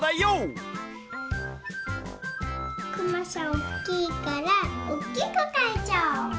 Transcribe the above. おっきいからおっきくかいちゃおう。